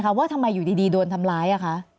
ว่าทำไมอยู่ดีโดนทำร้ายอ่ะคะ